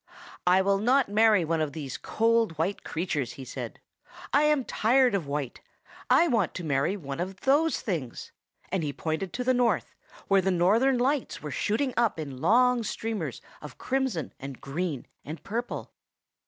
"I will not marry one of these cold, white creatures!" he said; "I am tired of white. I want to marry one of those things;" and he pointed to the north, where the Northern Lights were shooting up in long streamers of crimson and green and purple.